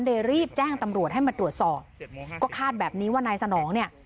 รีบแจ้งตำรวจให้มาตรวจสอบก็คาดแบบนี้ว่านายสนองเนี่ย